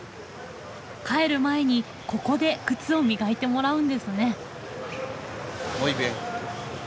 帰る前にここで靴を磨いてもらうんですね。